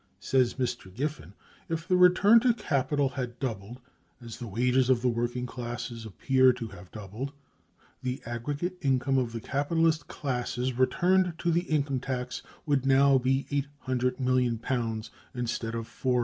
Says Mr. Giffen: "If the return to capital had doubled, as the wages of the working classes appear to have doubled, the aggregate income of the capitalist classes returned to the income tax would now be £800,000,000 instead of £400,000,000....